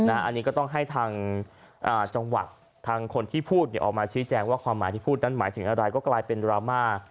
อันนี้ก็ต้องให้ทางจังหวัดทางคนที่พูดออกมาชี้แจงว่าความหมายที่พูดนั้นหมายถึงอะไรก็กลายเป็นดราม่า